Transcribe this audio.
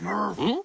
ん？